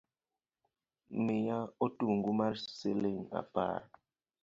Miya otungu mar siling’ apar